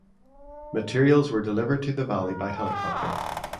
Materials were delivered to the valley by helicopter.